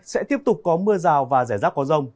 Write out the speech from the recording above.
sẽ tiếp tục có mưa rào và rải rác có rông